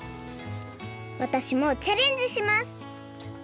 わたしもチャレンジします